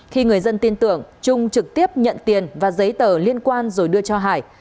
khi người dân tin tưởng trung trực tiếp nhận tiền và giấy tờ liên quan rồi đưa cho hải